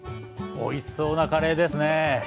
おいしそうなカレーですね。